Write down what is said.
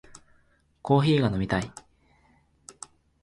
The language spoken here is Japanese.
コーヒーが飲みたい